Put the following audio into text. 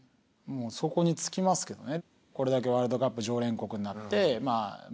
そこに尽きますけどね。